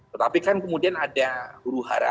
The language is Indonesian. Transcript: tetapi kan kemudian ada huru hara